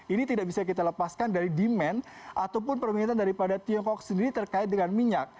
ini tidak bisa kita lepaskan dari demand ataupun permintaan daripada tiongkok sendiri terkait dengan minyak